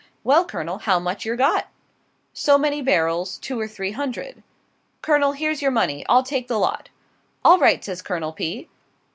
"Well, Colonel, how much yer got?" "So many barrels two or three hundred." "Colonel, here's your money. I'll take the lot." "All right," says Colonel P.